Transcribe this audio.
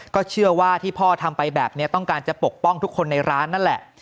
ก็เชื่อว่าที่พ่อทำไปแบบนี้ต้องการจะปกป้องทุกคนในร้านนั่นแหละ